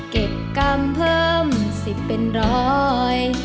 เก็บกรรมเพิ่ม๑๐เป็นร้อย